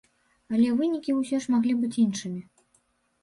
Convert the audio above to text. Але вынікі ўсё ж маглі быць іншымі.